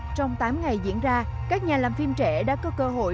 trong tám ngày diễn ra các nhà làm phim trẻ đã có cơ hội